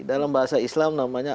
dalam bahasa islam namanya